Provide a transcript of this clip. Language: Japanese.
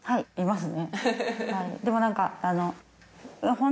でも何か。